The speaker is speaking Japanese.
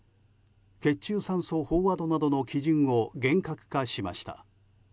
血中酸素飽和度などの基準を厳格化しました。